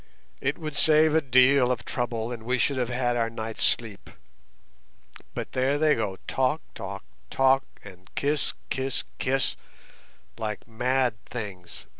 It would save a deal of trouble, and we should have had our night's sleep. But there they go, talk, talk, talk, and kiss, kiss, kiss, like mad things.